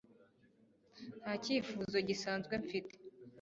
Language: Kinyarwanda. Nta cyifuzo gisanzwe mfite